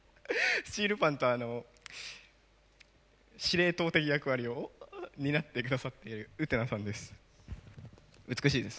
スチールパンと司令塔的役割を担ってくださっているうてなさんです。